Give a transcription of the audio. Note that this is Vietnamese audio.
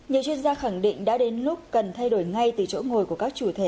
nhiều chuyên gia khẳng định đã đến lúc cần thay đổi ngay từ chỗ ngồi của các chủ thể